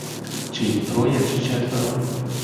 Чи їх троє, чи четверо?